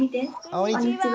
こんにちは。